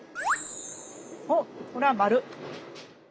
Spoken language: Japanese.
おっこれは○。